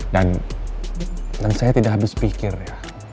dan saya tidak habis pikir ya